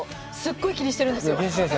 すごく気にしているんです。